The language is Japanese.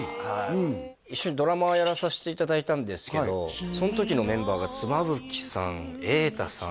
うん一緒にドラマをやらさせていただいたんですけどその時のメンバーが妻夫木さん瑛太さん